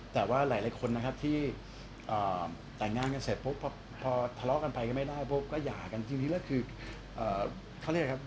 แต่ว่าหลายคนนะครับที่แต่งงานกันเสร็จปุ๊บพอทะเลาะกันไปก็ไม่ได้ปุ๊บก็หย่ากันทีนี้ก็คือเขาเรียกอะไรครับ